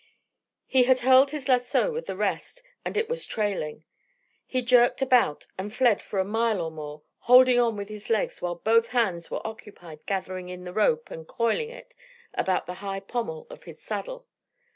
He had hurled his lasso with the rest, and it was trailing. He jerked about and fled for a mile or more, holding on with his legs while both hands were occupied gathering in the rope and coiling it about the high pommel of his saddle.